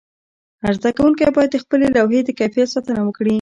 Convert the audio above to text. هر زده کوونکی باید د خپلې لوحې د کیفیت ساتنه وکړي.